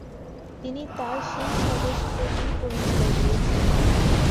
তিনি তার সেই স্বদেশপ্রীতির পরিচয় দিয়েছেন।